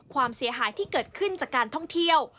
ความเสียหายที่เกิดขึ้นจากการท่องเที่ยว